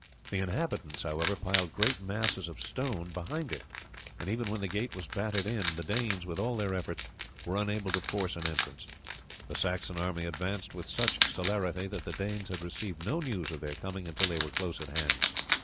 The inhabitants, however, piled great masses of stone behind it, and even when the gate was battered in the Danes, with all their efforts, were unable to force an entrance. The Saxon army advanced with such celerity that the Danes had received no news of their coming until they were close at hand.